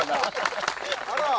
あら！